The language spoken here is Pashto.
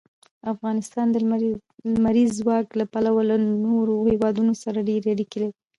افغانستان د لمریز ځواک له پلوه له نورو هېوادونو سره ډېرې اړیکې لري.